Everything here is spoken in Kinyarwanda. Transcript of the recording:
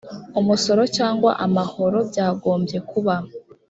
umusoro cyangwa amahoro byagombye kuba